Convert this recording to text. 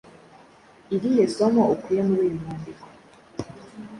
irihe somo ukuye muri uyu mwandiko?